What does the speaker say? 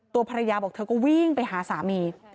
ตัวภรรยาบอกเธอก็วิ่งไปหาสามี